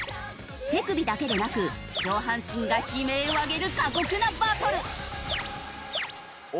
手首だけでなく上半身が悲鳴を上げる過酷なバトル！